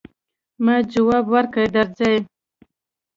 ما ځواب ورکړ، درځئ.